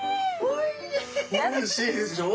おいしいでしょ。